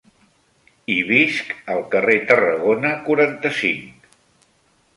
I visc al carrer Tarragona quaranta-cinc.